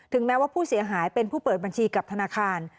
แม้ว่าผู้เสียหายเป็นผู้เปิดบัญชีกับธนาคาร